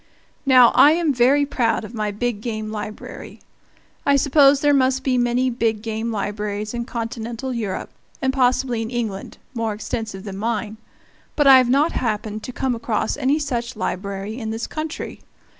Now, I am very proud of my big game library. I suppose there must be many big game libraries in Continental Europe, and possibly in England, more extensive than mine, but I have not happened to come across any such library in this country.